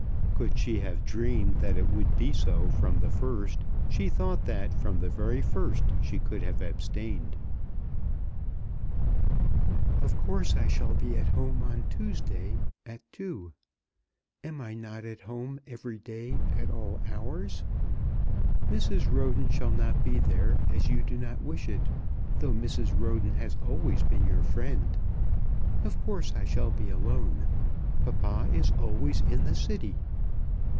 Could she have dreamed that it would be so from the first, she thought that from the very first she could have abstained. "Of course I shall be at home on Tuesday at two. Am I not at home every day at all hours? Mrs. Roden shall not be there as you do not wish it, though Mrs. Roden has always been your friend. Of course I shall be alone. Papa is always in the City.